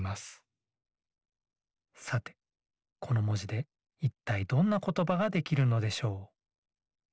さてこのもじでいったいどんなことばができるのでしょう？